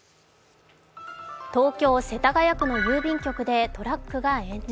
東京・世田谷区の郵便局でトラックが炎上。